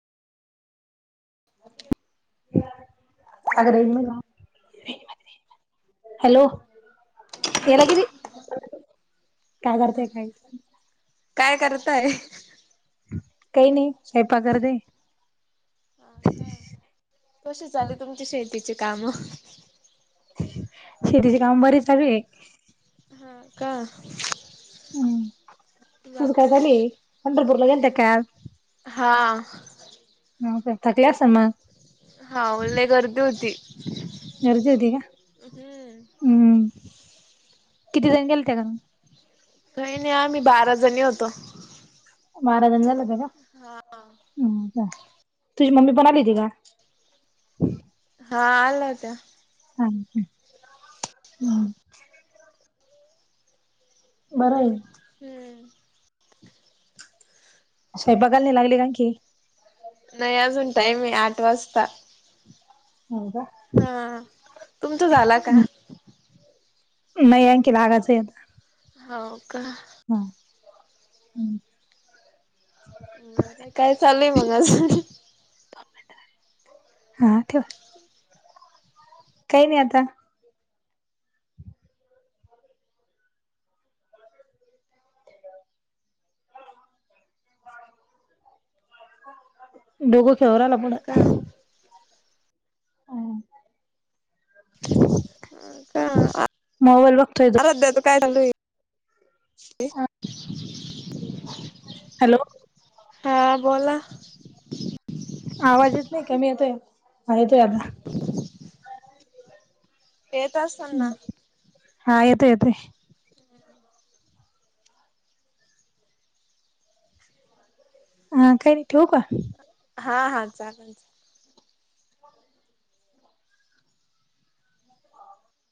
अग रेंज मधे. हॅलो. याला किती काय हा हा. करताय काय. काय करताय? काही नाही स्वयंपाक करते. हाका कसे चाले तुमची शेतीचे काम शेतीचि काम बरे चालू आहे. हा का हम्म तुझं काय बाकी चालू हे पंढरपूरला गेलत्या काय आज. हा हाव काय थकल्या असणं मग. हा मग लय गर्दी होती. गर्दी होती का? हम्म किती जणी गेलत्या घरून. लय नाही आम्ही बारा जणी होतो. बारा जणी झालेत. हा आं हो का? तुझी मम्मी पण आलेली का? हा आल्या होत्या. हा हम्म बरं आहे का? हम्म [inaudible] स्वयंपाकाला हे लागली का आणखी. नाही अजून टाईम आहे आठ वाजता. हो का हा तुमचं झाला का? नाही आणखी लागाच आहे आता. हो का हा हम्म बर काय चालय मग अजून? हा ठेव. काही नाही आता. दोघ खेळु रायला का पुन्हा. हां का हा का, तो आराध्याचा काय चालू आहे? ते. हॅलो! हा बोला. आवाज येत नाही कमी येतोय, हा येतोय आता. येत असनं हा येतो येतो. हा काही नाही ठेवू का? हा हा चालेल.